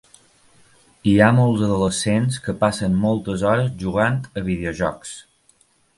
Hi ha molts adolescents que passen moltes hores jugant a videojocs.